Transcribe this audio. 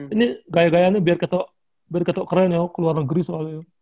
ini gaya gayanya biar keren ya keluar negeri soalnya